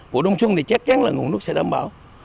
vụ đông xuân thì chắc chắn là nguồn nước sẽ đảm bảo